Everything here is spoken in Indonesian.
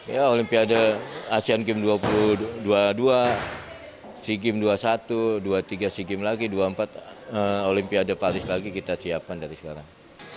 ya olimpiade asean games dua ribu dua puluh dua sea games dua puluh satu dua puluh tiga sea games lagi dua puluh empat olimpiade paris lagi kita siapkan dari sekarang